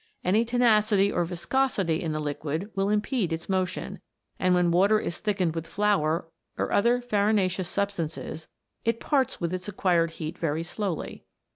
Any tenacity or viscosity in the liquid will impede its motion, and when water is thickened with flour, or other farinaceous substances, it parts with its ac quired heat very slowly.